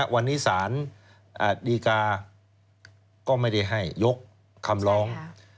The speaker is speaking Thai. วันนี้สารดีกาก็ไม่ได้ให้ยกคำร้อง